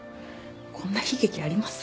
こんな悲劇あります？